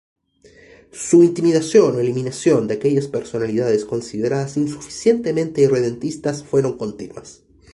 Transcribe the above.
Su intimidación o eliminación de aquellas personalidades consideradas insuficientemente irredentistas fueron continuas.